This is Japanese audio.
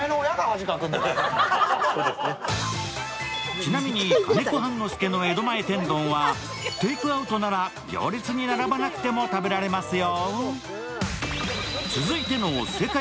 ちなみに金子半之助の江戸前天丼はテイクアウトなら行列に並ばなくても食べられますよ。